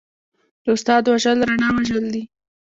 د استاد وژل رڼا وژل دي.